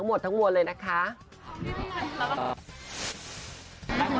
ร่วมชอบว่าพี่ปูมากินกาแฟ